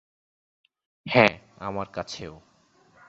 হ্যাঁ, আমার কাছেও।